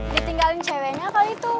ditinggalin ceweknya kali itu